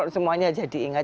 semuanya jadi ingat